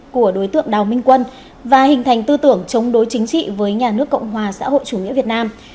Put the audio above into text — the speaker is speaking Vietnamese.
của đối tượng đào minh quân và hình thành tư tưởng chống đối chính trị với nhà nước cộng hòa xã hội chủ nghĩa việt nam